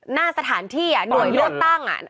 หน้าสถานที่หน่วยเลือกตั้ง